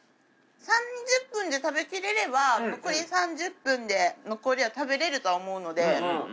３０分で食べきれれば残り３０分で残りは食べられるとは思うので。